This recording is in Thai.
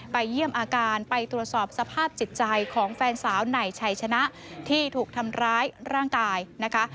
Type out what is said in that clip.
เยี่ยมอาการไปตรวจสอบสภาพจิตใจของแฟนสาวในชัยชนะที่ถูกทำร้ายร่างกายนะคะ